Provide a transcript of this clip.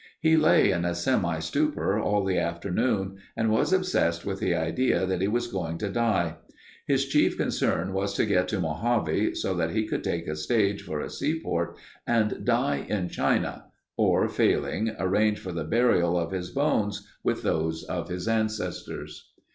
He lay in a semi stupor all the afternoon and was obsessed with the idea that he was going to die. His chief concern was to get to Mojave so that he could take a stage for a seaport and die in China or failing, arrange for the burial of his bones with those of his ancestors.